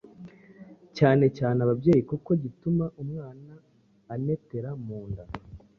cyane cyane ababyeyi kuko gituma umwana anetera mu nda,